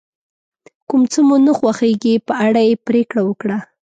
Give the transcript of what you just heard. کوم څه مو نه خوښیږي په اړه یې پرېکړه وکړه.